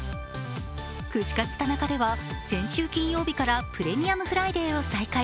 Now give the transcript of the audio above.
串カツ田中では、先週金曜日からプレミアムフライデーを再開。